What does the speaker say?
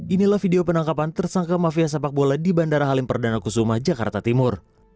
inilah video penangkapan tersangka mafia sepak bola di bandara halim perdana kusuma jakarta timur